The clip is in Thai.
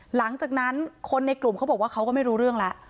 หลังจากนั้นคนในกลุ่มเขาบอกว่าเขาก็ไม่รู้เรื่องแล้ว